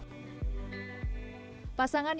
pasangan yang berdua ini berdua